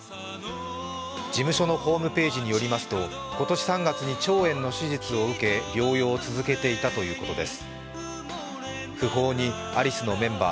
事務所のホームページによりますと今年３月に腸炎の手術を受け療養を続けていたということです。